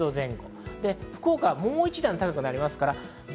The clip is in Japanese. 福岡はもう一段高くなります。